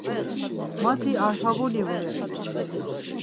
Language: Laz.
Mati Arxavuli vore.